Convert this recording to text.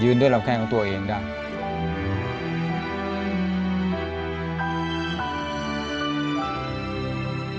ด้วยลำแข้งของตัวเองได้